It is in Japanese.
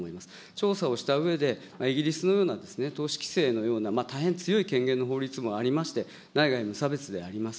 調査をイギリスのような投資規制のような、大変強い権限の法律もありまして、内外の差別であります。